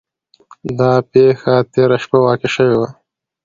دا پیښه تیره شپه واقع شوې وه.